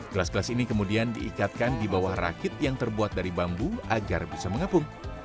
gelas gelas ini kemudian diikatkan di bawah rakit yang terbuat dari bambu agar bisa mengepung